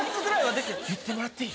言ってもらっていい？